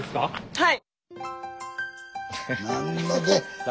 はい。